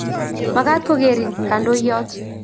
makat kokerin kanyaindwt